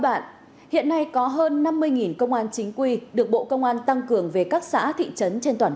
hiện nay có hơn năm mươi công an chính quy được bộ công an tăng cường về các xã thị trấn trên toàn